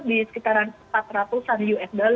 di sekitaran empat ratus an usd